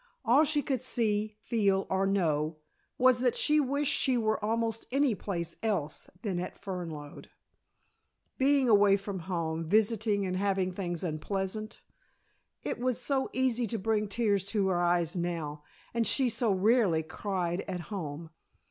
All she could see, feel or know, was that she wished she were almost any place else than at Fernlode. Being away from home, visiting and having things unpleasant! It was so easy to bring tears to her eyes now, and she so rarely cried at home.